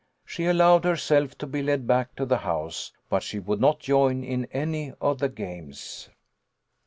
She allowed herself to be led back to the house, but she would not join in any of the games.